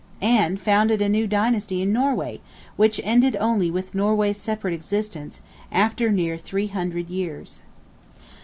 And founded a new Dynasty in Norway, which ended only with Norway's separate existence, after near three hundred years.